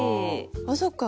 あそっか。